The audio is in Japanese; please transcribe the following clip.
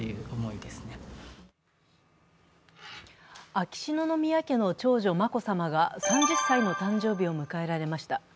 秋篠宮家の長女・眞子さまが３０歳の誕生日を迎えられました。